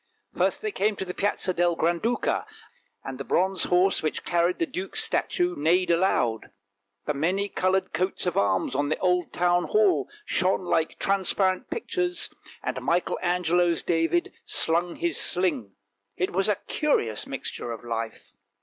First they came to the Piazza del Granduca, and the bronze horse which carried the duke's statue neighed aloud. The many coloured coats of arms on the old Town Hall shone like transparent pictures, and Michael Angelo's David slung his sling; it was a curious mixture of life